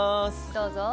どうぞ。